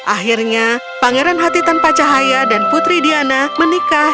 akhirnya pangeran hati tanpa cahaya dan putri diana menikah